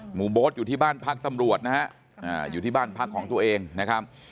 โบ๊ทอยู่ที่บ้านพักตำรวจนะฮะอยู่ที่บ้านพักของตัวเองนะครับ